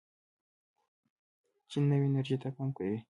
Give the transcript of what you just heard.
چین نوې انرژۍ ته پام کوي.